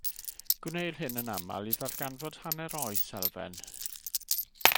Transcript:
Gwneir hyn yn aml i ddarganfod hanner oes elfen.